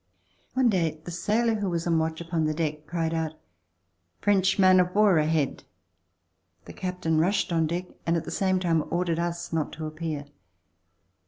One day the sailor who was on watch upon the deck cried out: "French man of war ahead." The captain rushed on deck and at the same time ordered us not to appear.